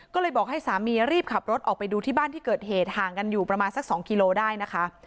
ก็เลยบอกให้สามีรีบขับรถออกไปดูที่บ้านที่เกิดเหตุห่างกันอยู่ประมาณสัก๒กิโลได้นะคะ